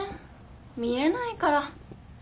見えないから。